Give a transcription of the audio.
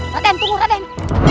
raden tunggu raden